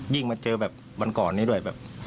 ยิ่งมาเจอแบบวันก่อนนี้ด้วย